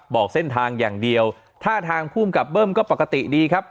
บอกเส้นทางอย่างเดียวท่าทางภูมิกับเบิ้มก็ปกติดีครับ